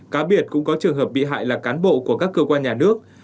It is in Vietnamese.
cá biệt cũng có trường hợp bị hại là cán bộ của các cơ quan nhà nước